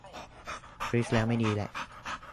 ฟรีซแล้ว ไม่ดี เละ